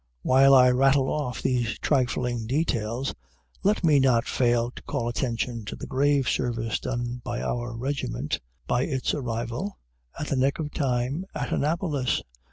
While I rattle off these trifling details, let me not fail to call attention to the grave service done by our regiment, by its arrival, at the nick of time, at Annapolis.